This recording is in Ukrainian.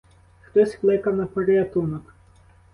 Хтось кликав на порятунок.